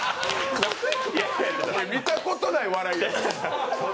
見たことない笑いだよ。